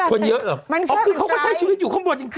คนเยอะเหรออ๋อคือเขาก็ใช้ชีวิตอยู่ข้างบนจริง